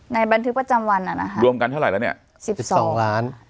บันทึกประจำวันอ่ะนะคะรวมกันเท่าไหร่แล้วเนี่ย๑๒ล้าน